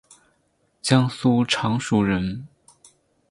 江苏常熟人。